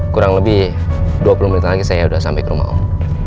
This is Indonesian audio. kurang lebih dua puluh menit lagi saya sudah sampai ke rumah om